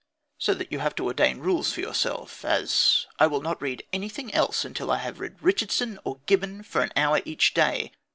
So that you have to ordain rules for yourself, as: "I will not read anything else until I have read Richardson, or Gibbon, for an hour each day."